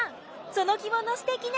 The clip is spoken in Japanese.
その着物すてきね！